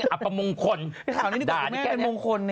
อัปมงคลด่าเห็นไง